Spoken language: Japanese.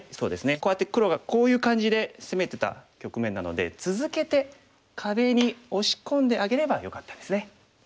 こうやって黒がこういう感じで攻めてた局面なので続けて壁に押し込んであげればよかったですね。